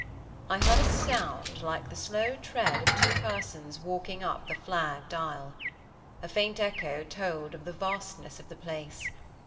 I heard a sound like the slow tread of two persons walking up the flagged aisle. A faint echo told of the vastness of the place.